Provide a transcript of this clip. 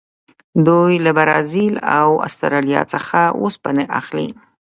دوی له برازیل او اسټرالیا څخه اوسپنه اخلي.